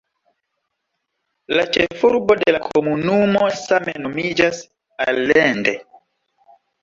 La ĉefurbo de la komunumo same nomiĝas "Allende".